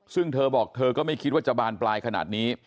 ซึ่งเธอบอกเธอก็ไม่คิดว่าจะบานปลายขนาดนี้